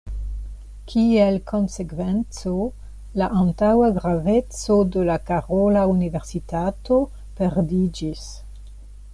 Kiel konsekvenco la antaŭa graveco de la Karola universitato perdiĝis.